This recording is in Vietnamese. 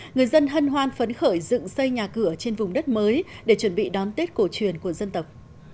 người dân hân hoan phấn khởi dựng xây nhà cửa trên vùng đất mới để chuẩn bị đón tết cổ truyền của dân tộc